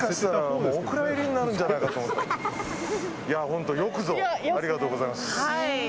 本当よくぞありがとうございます。